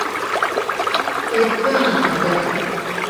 Tika aʼaya.